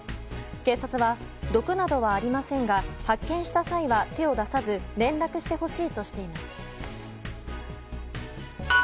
警察は毒などはありませんが発見した際は手を出さず連絡してほしいとしています。